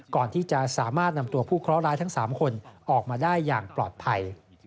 ก่อนที่จะสามารถนำตัวผู้เคราะหร้ายทั้ง๓คนออกมาได้อย่างปลอดภัย